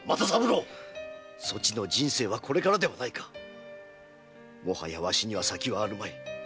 そちの人生はこれからではないかもはやわしには先はあるまい。